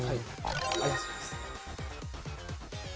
ありがとうございます。